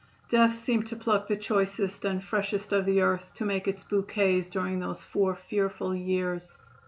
Death seemed to pluck the choicest and freshest of the earth to make its bouquets during those four fearful years.